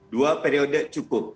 dua periode cukup